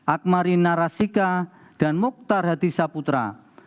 akmari narasika dan muktar hatisa putra